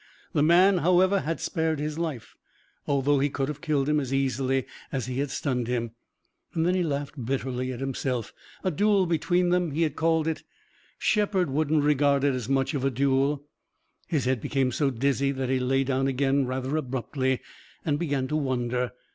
The man, however, had spared his life, although he could have killed him as easily as he had stunned him. Then he laughed bitterly at himself. A duel between them, he had called it! Shepard wouldn't regard it as much of a duel. His head became so dizzy that he lay down again rather abruptly and began to wonder.